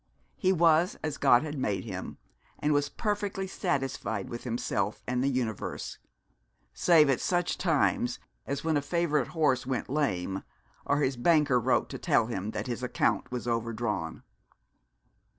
He was as God had made him, and was perfectly satisfied with himself and the universe; save at such times as when a favourite horse went lame, or his banker wrote to tell him that his account was overdrawn.